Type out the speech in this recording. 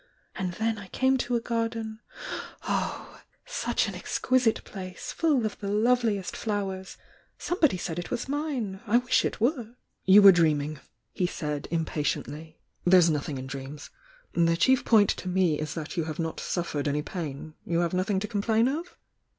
And then I came to a garden — oh! — such an exquisite place, full of the loveliest flowers— somebody said it waa mine! I wish it were!" "You were dreaming," he said, impatiently. "There's nothing in dreams! The chief point to me is that you have not suffered any pain. You have nothing to complain of?"